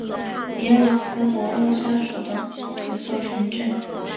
米尔斯伯勒下属的一座城镇。